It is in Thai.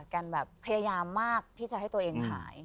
กันแบบพยายามมากที่จะให้ตัวเองหาย